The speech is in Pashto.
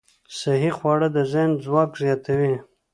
صحي خواړه د ذهن ځواک زیاتوي.